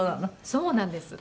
「そうなんです。